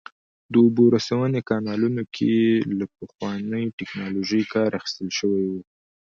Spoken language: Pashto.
د اوبو رسونې کانالونو کې له پخوانۍ ټکنالوژۍ کار اخیستل شوی و